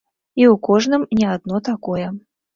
І ў кожным не адно такое.